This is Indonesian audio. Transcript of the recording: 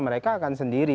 mereka akan sendiri